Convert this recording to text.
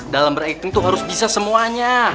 dalam ber acting itu harus bisa semuanya